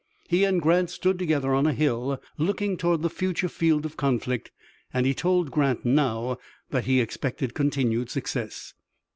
He and Grant stood together on a hill looking toward the future field of conflict, and he told Grant now that he expected continued success.